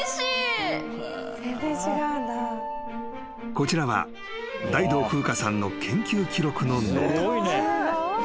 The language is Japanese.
［こちらは大道風歌さんの研究記録のノート］